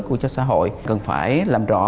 cho xã hội cần phải làm rõ